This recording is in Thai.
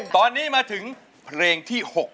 ตอนนี้มาถึงเพลงที่๖